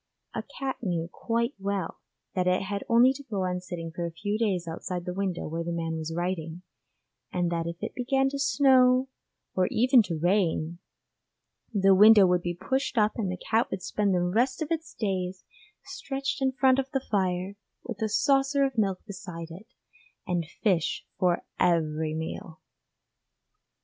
A cat knew quite well that it had only to go on sitting for a few days outside the window where the man was writing, and that if it began to snow or even to rain, the window would be pushed up and the cat would spend the rest of its days stretched in front of the fire, with a saucer of milk beside it, and fish for every meal.